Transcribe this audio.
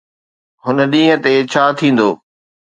هن ڏينهن تي ڇا ٿيندو؟